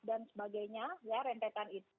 dan sebagainya ya rentetan itu